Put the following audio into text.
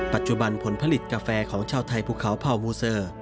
ปัจจุบันผลผลิตกาแฟของเช่าไทยภูเขาภาวมูเสอ